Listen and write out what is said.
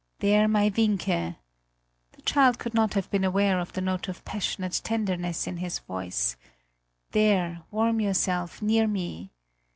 "There, my Wienke" the child could not have been aware of the note of passionate tenderness in his words "there, warm yourself, near me!